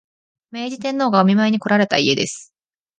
明治天皇がお見舞いにこられた家です